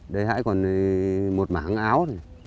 đây hãy còn một mảng áo